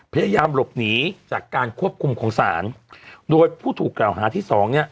พยายามหลบหนีจากการควบคุมของศาลโดยผู้ถูกกล่าวหาที่สองเนี่ย